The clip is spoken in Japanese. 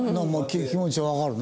気持ちはわかるね。